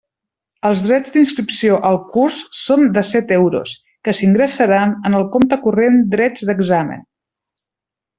Els drets d'inscripció al curs són de set euros, que s'ingressaran en el compte corrent drets d'examen.